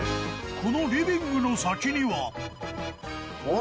このリビングの先には？